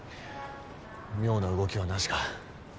妙な動きはなしか。